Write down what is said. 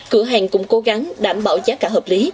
cửa hàng cũng cố gắng đảm bảo giá cả hợp lý